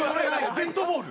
デッドボール。